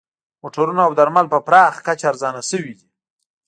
موټرونه او درمل په پراخه کچه ارزانه شوي دي